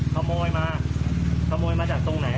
ข่าวนโยดอีน๕๙ขมมาจากตรงไหน